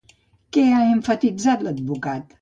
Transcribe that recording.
Què ha emfatitzat l'advocat?